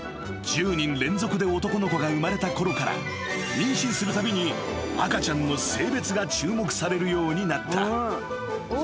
［１０人連続で男の子が生まれたころから妊娠するたびに赤ちゃんの性別が注目されるようになった］